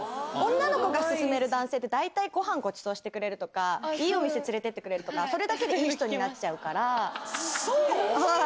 女の子が勧める男性って、大体ごはんごちそうしてくれるとか、いいお店連れて行ってくれるとか、それだけでいい人になっちそう？